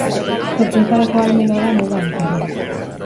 Sorkuntzarako ahalmena da muga bakarra.